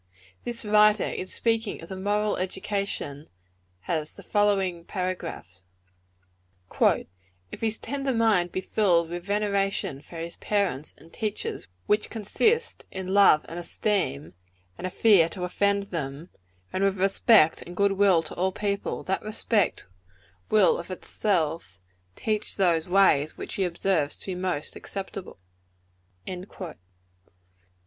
This writer, in speaking of the moral education of a young person, has the following paragraph: "If his tender mind be filled with veneration for his parents and teachers, which consists in love and esteem, and a fear to offend them, and with respect and good will to all people, that respect will of itself teach those ways which he observes to be most acceptable."